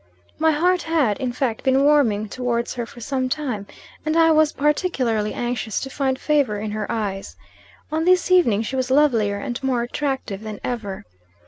My heart had, in fact been warming towards her for some time; and I was particularly anxious to find favor in her eyes. On this evening she was lovelier and more attractive than ever.